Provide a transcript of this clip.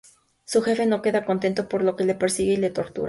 Su jefe no queda contento, por lo que le persigue y le tortura.